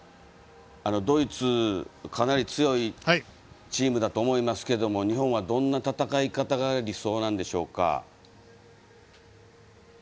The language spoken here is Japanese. ドイツ、かなり強いチームだと思いますが日本はどんな戦い方が理想なんでしょうか？